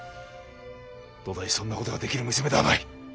どだいそんな事ができる娘ではない。